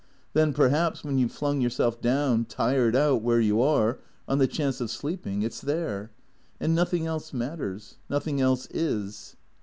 Then perhaps, when you 've flung yourself down, tired out, where you are, on the chance of sleeping, it 's there. And nothing else matters. Nothing else is."